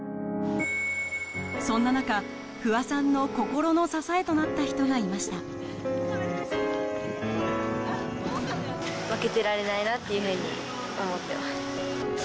そんな中不破さんの心の支えとなった人がいましたっていうふうに思ってます。